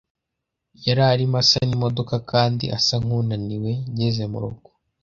Yari arimo asana imodoka kandi asa nkunaniwe ngeze murugo.